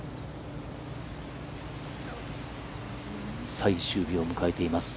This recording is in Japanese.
最終日を迎えています。